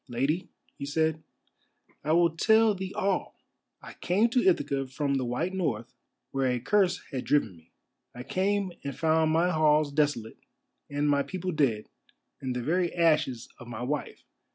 "Lady," he said, "I will tell thee all! I came to Ithaca from the white north, where a curse had driven me; I came and found my halls desolate, and my people dead, and the very ashes of my wife.